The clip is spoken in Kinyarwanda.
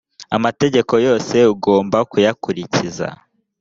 amategeko yose ugomba kuyakurikiza